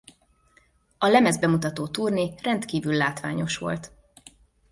A lemezbemutató turné rendkívül látványos volt.